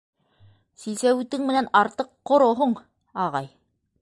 Силсәүитең менән артыҡ ҡороһоң, ағай.